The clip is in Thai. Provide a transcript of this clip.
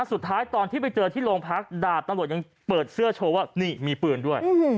ตอนที่ไปเจอที่โรงพักดาบตำรวจยังเปิดเสื้อโชว์ว่านี่มีปืนด้วย